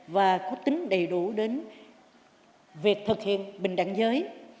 và có tính đầy đủ đến việc thực hiện bình đẳng giới